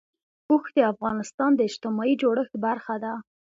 اوښ د افغانستان د اجتماعي جوړښت برخه ده.